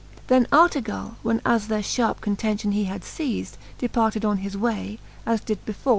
Then Artegally When as their Iharp contention he had cealed. Departed on his way, as did befall.